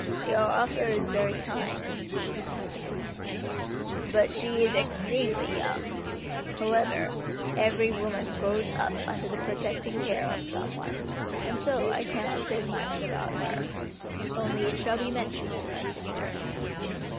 "Your offer is very kind," replied the priest, "but she is extremely young. However every woman grows up under the protecting care of some one, and so I cannot say much about her, only it shall be mentioned to my sister."